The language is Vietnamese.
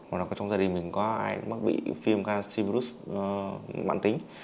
hoặc là trong gia đình mình có ai mắc bị phim canxi virus mạng tính